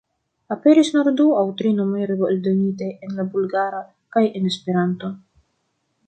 Aperis nur du aŭ tri numeroj eldonitaj en la Bulgara kaj en Esperanto.